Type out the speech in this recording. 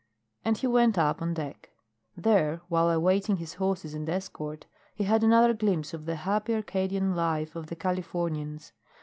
And he went up on deck. There, while awaiting his horses and escort, he had another glimpse of the happy Arcadian life of the Californians.